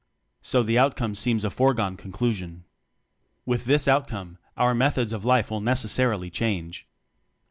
So the outcome seems a foregone conclusion. With this outcome, our methods of life will necessarily change.